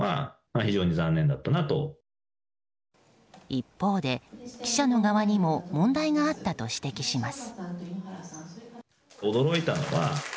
一方で、記者の側にも問題があったと指摘します。